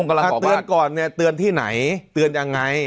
ถ้าเตือนก่อนเนี่ยเตือนที่ไหนเตือนยังไง